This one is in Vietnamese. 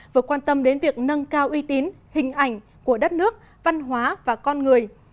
vừa quan tâm đến việc nâng cao uy tín hình ảnh của đất nước văn hóa và con người